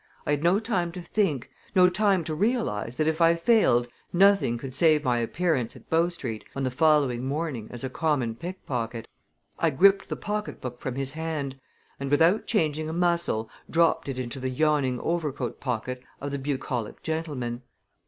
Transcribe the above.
I had no time to think no time to realize that if I failed nothing could save my appearance at Bow Street on the following morning as a common pickpocket. I gripped the pocketbook from his hand and, without changing a muscle, dropped it into the yawning overcoat pocket of the bucolic gentleman.